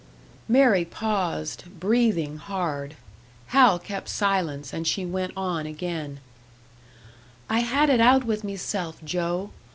Mary paused, breathing hard. Hal kept silence, and she went on again: "I had it out with meself, Joe!